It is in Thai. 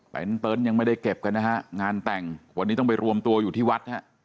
เป็นเต็นต์ยังไม่ได้เก็บกันนะฮะงานแต่งวันนี้ต้องไปรวมตัวอยู่ที่วัดฮะ